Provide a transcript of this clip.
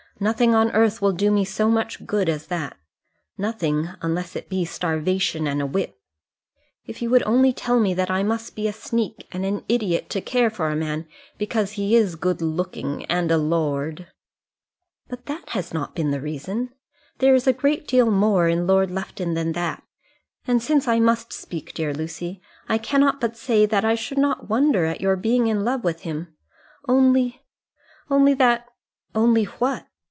"Nothing on earth will do me so much good as that; nothing, unless it be starvation and a whip. If you would only tell me that I must be a sneak and an idiot to care for a man because he is good looking and a lord!" "But that has not been the reason. There is a great deal more in Lord Lufton than that; and since I must speak, dear Lucy, I cannot but say that I should not wonder at your being in love with him, only only that " "Only what?